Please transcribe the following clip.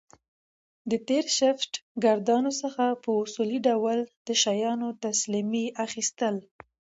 د تېر شفټ ګاردانو څخه په اصولي ډول د شیانو تسلیمي اخیستل